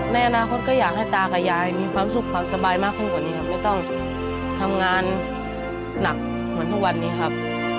ในอนาคตก็อยากให้ตากับยายมีความสุขความสบายมากขึ้นกว่านี้ครับไม่ต้องทำงานหนักเหมือนทุกวันนี้ครับ